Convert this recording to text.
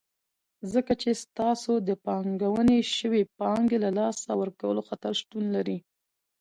ځکه چې ستاسو د پانګونې شوي پانګې له لاسه ورکولو خطر شتون لري.